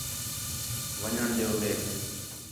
ون٘ڄݨ ݙیؤ میک